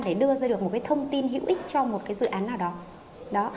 để đưa ra được một cái thông tin hữu ích cho một cái dự án nào đó